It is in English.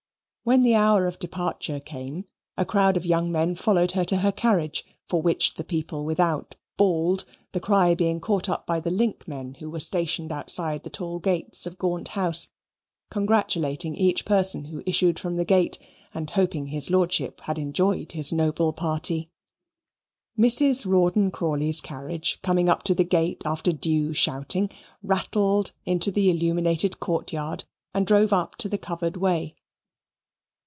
When the hour of departure came, a crowd of young men followed her to her carriage, for which the people without bawled, the cry being caught up by the link men who were stationed outside the tall gates of Gaunt House, congratulating each person who issued from the gate and hoping his Lordship had enjoyed this noble party. Mrs. Rawdon Crawley's carriage, coming up to the gate after due shouting, rattled into the illuminated court yard and drove up to the covered way.